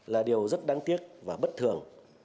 là điều rất đáng tiếc và bất thường